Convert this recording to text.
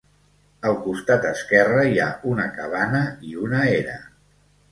Al costat esquerre hi ha una cabana i una era.